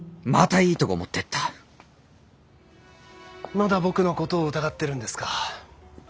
まだ僕のことを疑ってるんですか。